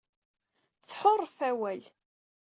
Tḥuṛef awal.